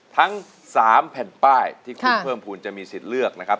ทั้ง๓แผ่นป้ายที่คุณเพิ่มภูมิจะมีสิทธิ์เลือกนะครับ